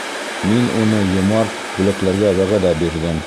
Мин уны йомарт бүләкләргә вәғәҙә бирҙем.